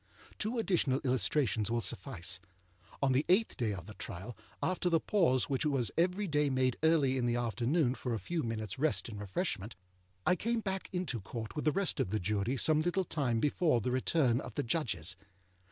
Two additional illustrations will suffice. On the eighth day of the trial, after the pause which was every day made early in the afternoon for a few minutesâ rest and refreshment, I came back into Court with the rest of the Jury some little time before the return of the Judges.